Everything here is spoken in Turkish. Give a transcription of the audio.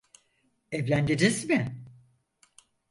Evlendiniz mi?